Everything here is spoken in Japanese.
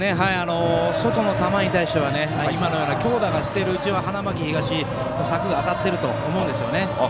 外の球に対しては今のような強打をしているうちは花巻東、策が当たっていると思うんですよね。